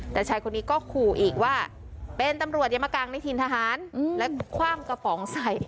แต่ชายคนนี้ก็ขู่อีกว่าเป็นตำรวจยามกลางในถิ่นทหารและคว่างกระป๋องใส่